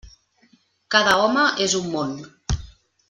Cada home és un món.